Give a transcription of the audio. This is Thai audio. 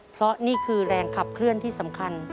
เพราะนี่คือแรงขับเคลื่อนที่สำคัญ